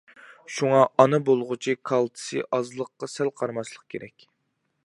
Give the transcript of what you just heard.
شۇڭا ئانا بولغۇچى كالتسىي ئازلىققا سەل قارىماسلىقى كېرەك.